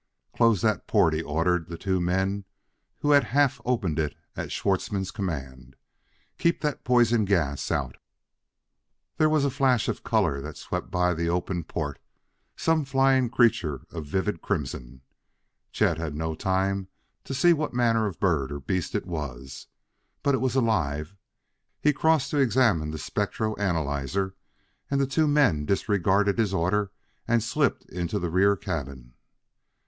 "Close that port!" he ordered the two men who had half opened it at Schwartzmann's command. "Keep that poison gas out." There was a flash of color that swept by the open port some flying creature of vivid crimson: Chet had no time to see what manner of bird or beast it was. But it was alive! He crossed to examine the spectro analyzer, and the two men disregarded his order and slipped into the rear cabin.